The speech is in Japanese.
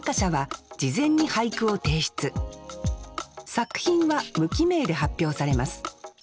作品は無記名で発表されます。